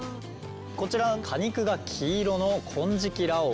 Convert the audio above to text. こちら果肉が黄色の金色羅皇。